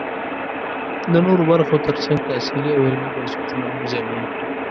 د نورو برخو ترڅنګ تحصیلي او علمي بنسټونه هم زیانمن کړي